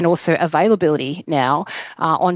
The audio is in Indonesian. dan juga kemampuan sekarang